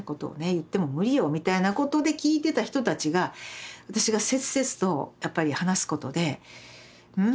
言っても無理よみたいなことで聞いてた人たちが私が切々とやっぱり話すことでうん？